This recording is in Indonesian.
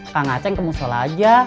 kang aceh kemusola aja